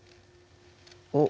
おっ！